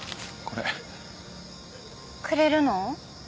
くれるの？